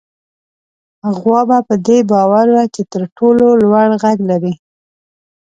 غوا په دې باور وه چې تر ټولو لوړ غږ لري.